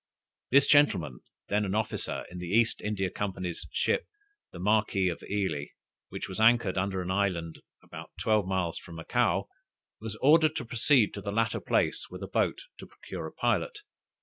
This gentlemen, then an officer in the East India Company's ship the Marquis of Ely, which was anchored under an island about twelve miles from Macao, was ordered to proceed to the latter place with a boat to procure a pilot.